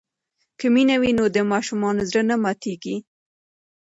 که مینه وي نو د ماشوم زړه نه ماتېږي.